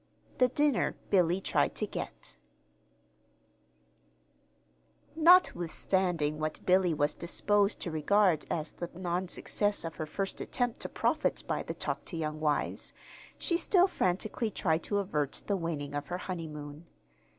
THE DINNER BILLY TRIED TO GET Notwithstanding what Billy was disposed to regard as the non success of her first attempt to profit by the "Talk to Young Wives;" she still frantically tried to avert the waning of her honeymoon.